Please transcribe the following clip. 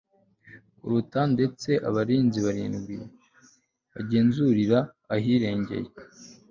kuruta ndetse abarinzi barindwi bagenzurira ahirengeye